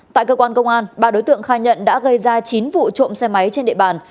tại cơ quan công an ba đối tượng khai nhận đã gây ra chín vụ trộm xe máy trên địa bàn